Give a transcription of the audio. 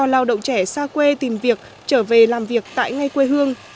lao động trẻ xa quê tìm việc trở về làm việc tại ngay quê hương